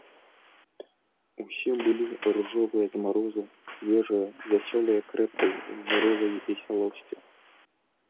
Усе былі ружовыя з марозу, свежыя, вясёлыя крэпкай, здаровай весялосцю.